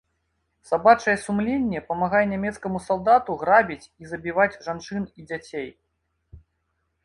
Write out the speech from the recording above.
Сабачае сумленне памагае нямецкаму салдату грабіць і забіваць жанчын і дзяцей.